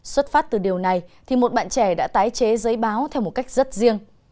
xuất phát từ điều này thì một bạn trẻ đã tái chế giấy báo theo một cách rất riêng